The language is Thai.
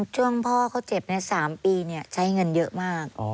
ช่วงพ่อเขาเจ็บ๓ปีใช้เงินเยอะมาก